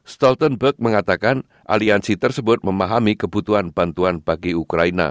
stoltenberg mengatakan aliansi tersebut memahami kebutuhan bantuan bagi ukraina